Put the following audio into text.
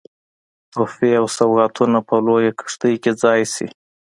تحفې او سوغاتونه په لویه کښتۍ کې ځای سي.